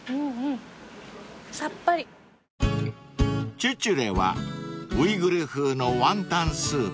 ［チュチュレはウイグル風のワンタンスープ］